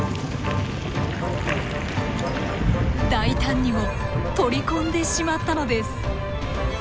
大胆にも取り込んでしまったのです！